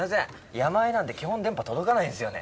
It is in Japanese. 山あいなんで基本電波届かないんすよね。